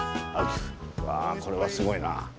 うわこれはすごいな。